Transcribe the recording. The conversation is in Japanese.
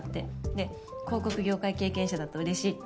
で広告業界経験者だとうれしいって。